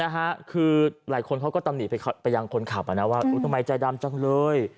หลายคนเขาก็ต้องหนีไปยังคนขับว่าทำไมใจดำจังเลย